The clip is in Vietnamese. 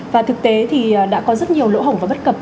và thực tế thì đã có rất nhiều lỗ hổng và bất cập